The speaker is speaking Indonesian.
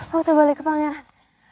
waktu balik ke pangeran